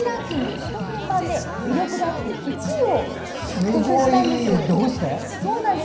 首都圏版で魅力度アップ１位を獲得したんです。